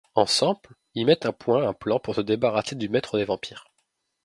Ensemble, ils mettent au point un plan pour se débarrasser du Maître des vampires...